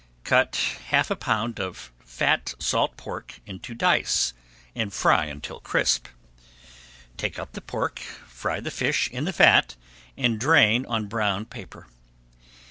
Cut half a pound of fat salt pork into dice, and fry until crisp. Take up the pork, fry the fish in the fat, and drain on brown paper.